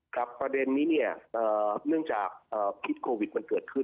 ประเด็นนี้เนี่ยเนื่องจากพิษโควิดมันเกิดขึ้น